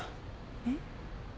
えっ？